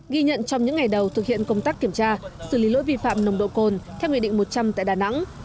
ghi nhận trong những ngày đầu thực hiện công tác kiểm tra xử lý lỗi vi phạm nồng độ cồn theo nghị định một trăm linh tại đà nẵng